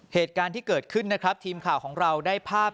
เหตุการณ์ที่เกิดขึ้นนะครับทีมข่าวของเราได้ภาพ